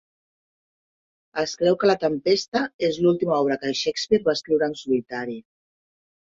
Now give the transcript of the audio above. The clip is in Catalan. Es creu que "La Tempesta" és l'última obra que Shakespeare va escriure en solitari.